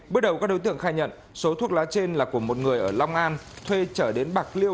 bước đầu các đối tượng khai nhận số thuốc lá trên là của một người ở long an thuê trở đến bạc liêu